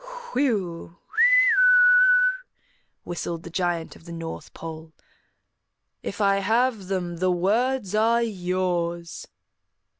"Whew, oo oo," whistled the Giant of the North Pole. "If I have them, the words are yours."